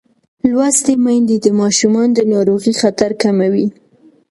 لوستې میندې د ماشوم د ناروغۍ خطر کموي.